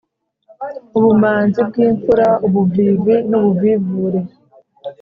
Ubumanzi bw'Imfura ubuvivi n’ubuvuvure